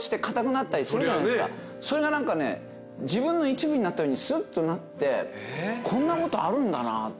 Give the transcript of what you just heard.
それが何かね自分の一部になったようにスッとなってこんなことあるんだなって。